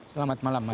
selamat malam mas